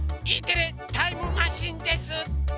「Ｅテレタイムマシン」です。